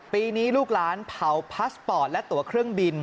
ปีนี้ลูกหลานเผาพาสปอร์ตและตัวเครื่องบิน